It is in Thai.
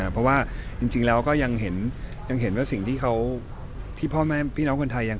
เพราะว่าจริงแล้วก็ยังเห็นว่าสิ่งที่พ่อแม่พี่น้องคนไทยยัง